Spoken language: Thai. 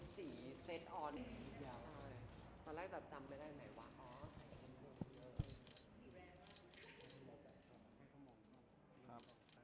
ตอนแรกจับจำไม่ได้ไหมวะ